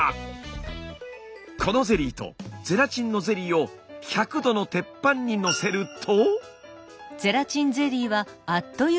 このゼリーとゼラチンのゼリーを１００度の鉄板にのせると。